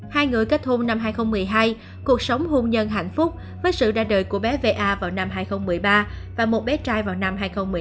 hai người kết hôn năm hai nghìn một mươi hai cuộc sống hôn nhân hạnh phúc với sự ra đời của bé va vào năm hai nghìn một mươi ba và một bé trai vào năm hai nghìn một mươi tám